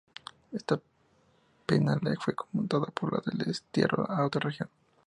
Esta pena le fue conmutada por la de destierro a otra región.